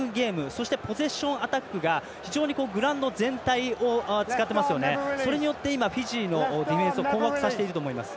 そしてポゼッションアタックが非常にグラウンド全体を使っていますよね、それによってフィジーのディフェンスを困惑させていると思います。